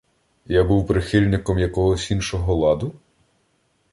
Я був прихильником якогось іншого ладу?